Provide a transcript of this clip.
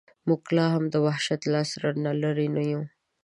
موږ لا هم د وحشت له عصره لرې نه یو.